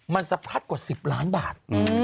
มันสะพัดกว่า๑๐ล้านบาท